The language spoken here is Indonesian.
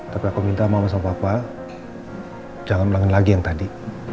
tapi aku minta maaf sama papa jangan melangin lagi yang tadi